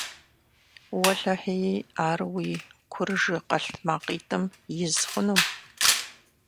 Уэлэхьи, ар уи куржы къэлътмакъитӀым из хъунум.